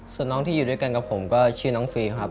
ส่วนน้องที่อยู่ด้วยกันกับผมก็ชื่อน้องฟรีครับ